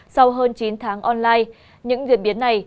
sau hơn chín tháng online những diễn biến này